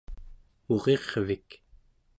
murirvik